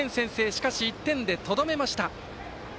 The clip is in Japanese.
しかし、１点でとどめました。